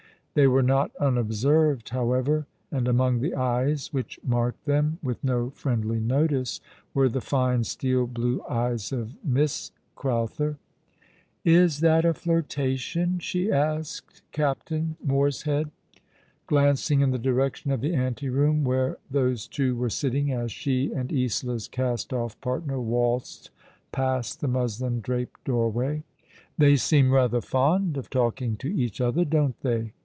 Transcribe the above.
They were not unobserved, however ; and among the eyes which marked them with no friendly notice were the fine, steel blue eyes of Miss Crowther. " Is that a flirtation ?" she asked Captain MorsheaJ, glancing in the direction of the ante room where those two were sitting, as she and Isola's cast off partner waltzed past the muslin draped doorway. I " They seem rather fond of talking to each other, don't they